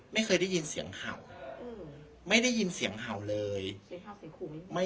ไม่เคยได้ยินเสียงเห่าไม่ได้ยินเสียงเห่าเลยเสียงเห่าเสียงขุมไม่